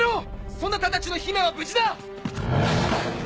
そなたたちの姫は無事だ！